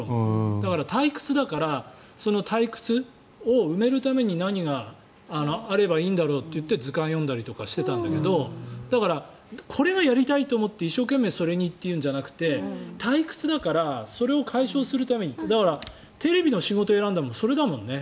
だから、退屈だからその退屈を埋めるために何があればいいんだろうっていって図鑑を読んでたりとかしてたんだけどこれがやりたいと思って一生懸命それにというじゃなくて退屈だからそれを解消するためにテレビの仕事を選んだのもそれだもんね。